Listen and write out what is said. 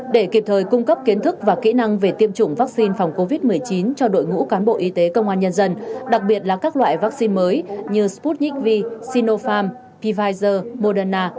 để kịp thời cung cấp kiến thức và kỹ năng về tiêm chủng vaccine phòng covid một mươi chín cho đội ngũ cán bộ y tế công an nhân dân đặc biệt là các loại vaccine mới như sputnik v sinopharm kivfizer moderna